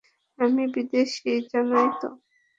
আমি বিদেশী, জানোই তো।